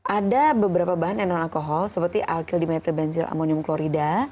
ada beberapa bahan yang non alkohol seperti alkyl dimethylbenzyl ammonium klorida